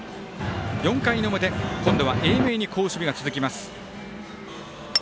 ４回の表、今度は英明に好守備が続きます。